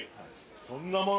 そんなもの